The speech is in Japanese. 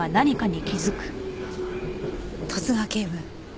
十津川警部。